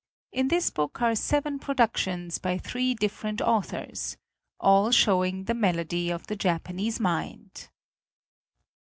In this book are seven productions by three different authors, all showing the melody of the Japanese mind.